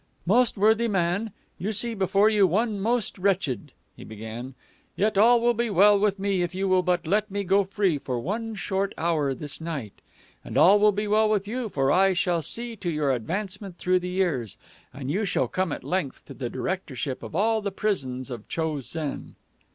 "Most worthy man, you see before you one most wretched," he began. "Yet all will be well with me if you will but let me go free for one short hour this night. And all will be well with you, for I shall see to your advancement through the years, and you shall come at length to the directorship of all the prisons of Cho sen."